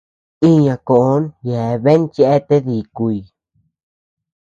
Iña koo yeabean cheate díkuy.